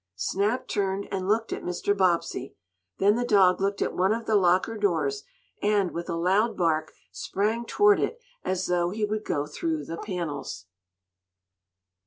Snap turned and looked at Mr. Bobbsey. Then the dog looked at one of the locker doors, and, with a loud bark, sprang toward it, as though he would go through the panels.